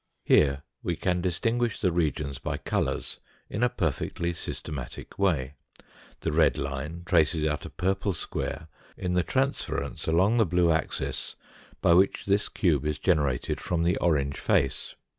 Here we can distinguish the regions by colours in a per fectly systematic way. The red line traces out a purple 182 THE FOURTH DIMENSION square in the transference along the blue axis by which this cube is generated from the orange face.